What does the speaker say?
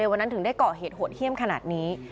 วันนั้นถึงได้ก่อเหตุโหดเยี่ยมขนาดนี้